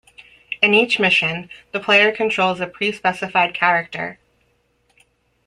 In each mission, the player controls a pre-specified character.